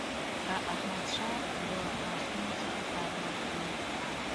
که احمدشاه له آسونو څخه کار واخلي.